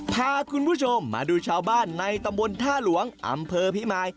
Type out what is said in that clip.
พาคุณผู้ชมมาดูชาวบ้านในตำบลท่าหลวงอำเภอพิมาย